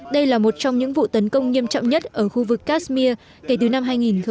đây là một trong những vụ tấn công nghiêm trọng nhất ở khu vực kashmir kể từ năm hai nghìn một mươi